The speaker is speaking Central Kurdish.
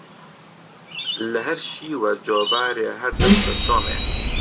لە هەر شیوە جۆبارێ هەر دەشتە چۆمێ